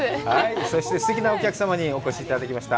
そして、すてきなお客様にお越しいただきました。